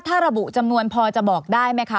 ถ้าระบุจำนวนพอจะบอกได้ไหมคะ